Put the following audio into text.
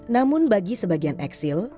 namun bagi sebagian eksil